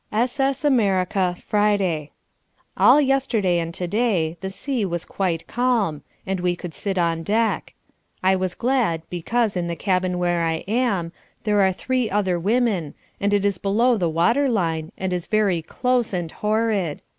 S.S. America. Friday All yesterday and to day the sea was quite calm, and we could sit on deck. I was glad because, in the cabin where I am, there are three other women, and it is below the water line, and is very close and horrid.